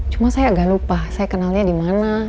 cuma saya agak lupa saya kenalnya dimana